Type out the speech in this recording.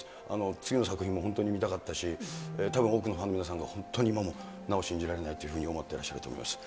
次の作品も本当に見たかったし、たぶん多くのファンの皆さんが、今もなお信じられないというふうに思っていらっしゃると思います。